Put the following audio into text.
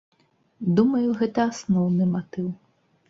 Думаю, гэта асноўны матыў.